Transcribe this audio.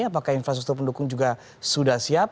apakah infrastruktur pendukung juga sudah siap